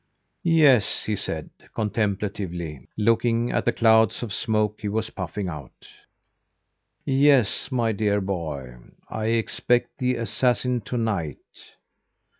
"Yes," he said, contemplatively looking at the clouds of smoke he was puffing out, "yes, my dear boy, I expect the assassin to night."